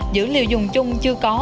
dữ liệu dùng chung chưa có